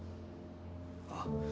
あっ。